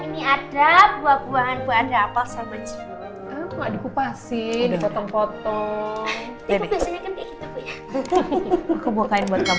ini ada buah buahan buahan rapal sama cipu